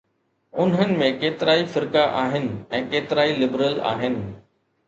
انهن ۾ ڪيترائي فرقا آهن ۽ ڪيترائي لبرل آهن.